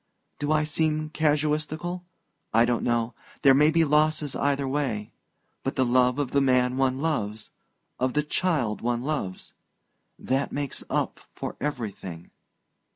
Do I seem casuistical? I don't know there may be losses either way...but the love of the man one loves...of the child one loves... that makes up for everything...."